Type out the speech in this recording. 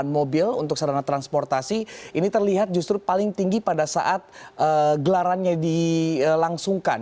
sembilan mobil untuk sarana transportasi ini terlihat justru paling tinggi pada saat gelarannya dilangsungkan